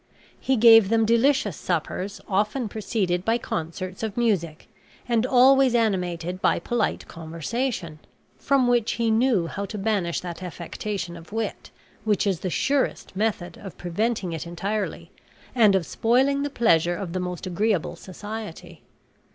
He gave them delicious suppers, often preceded by concerts of music, and always animated by polite conversation, from which he knew how to banish that affectation of wit which is the surest method of preventing it entirely, and of spoiling the pleasure of the most agreeable society.